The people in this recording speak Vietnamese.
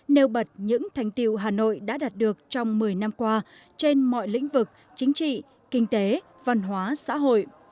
nêu bật những thành tiệu hà nội đã đạt được trong một mươi năm qua trên mọi lĩnh vực chính trị kinh tế văn hóa xã hội